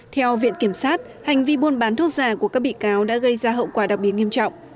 theo viện kiểm sát hành vi buôn bán thuốc giả của các bị cáo đã gây ra hậu quả đặc biệt nghiêm trọng